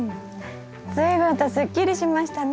随分とすっきりしましたね。